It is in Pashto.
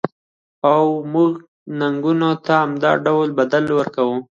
او موږ نېکانو ته همدا ډول بدل ورکوو.